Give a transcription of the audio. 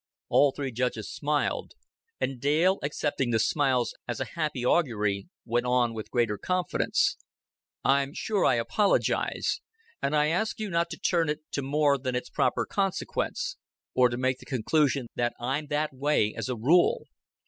All three judges smiled; and Dale, accepting the smiles as a happy augury, went on with greater confidence. "I'm sure I apologize. And I ask you not to turn it to more than its proper consequence or to make the conclusion that I'm that way as a rule.